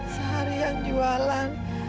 sehari yang jualan